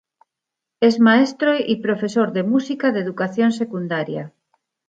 Es maestro y profesor de música de educación secundaria.